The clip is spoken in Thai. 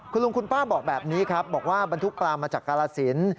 คุณลุงคุณป้าบอกแบบนี้ครับบอกว่าบรรทุกปลามาจากกาลสิน